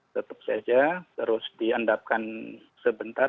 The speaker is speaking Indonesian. tetap saja terus diandapkan sebentar